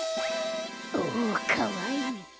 おおかわいい。